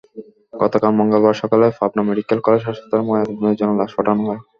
গতকাল মঙ্গলবার সকালে পাবনা মেডিকেল কলেজ হাসপাতালে ময়নাতদন্তের জন্য লাশ পাঠানো হয়।